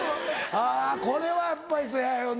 あこれはやっぱりそやよな。